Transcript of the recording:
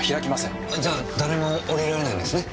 じゃあ誰も降りられないんですね？